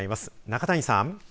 中谷さん。